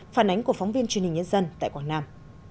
phản ánh của phóng viên truyền hình nhân dân tại quảng nam